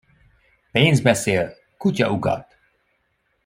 Pénz beszél, kutya ugat.